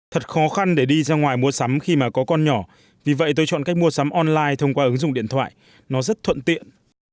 thật khó khăn để đi ra ngoài mua sắm khi mà có con nhỏ vì vậy tôi chọn cách mua sắm online thông qua ứng dụng điện thoại nó rất thuận tiện